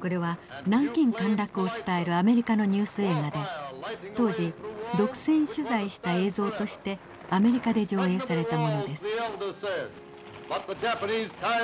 これは南京陥落を伝えるアメリカのニュース映画で当時独占取材した映像としてアメリカで上映されたものです。